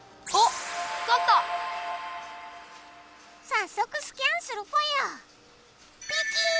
さっそくスキャンするぽよ。